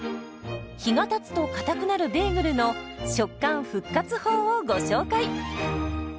日がたつとかたくなるベーグルの食感復活法をご紹介。